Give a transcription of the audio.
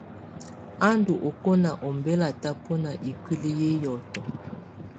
A ndù ɔkɔna ɔmbɛla tabɔna ikuili ƴɛ hiɔtɔ.